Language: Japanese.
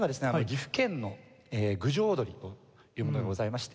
岐阜県の郡上おどりというものがございまして。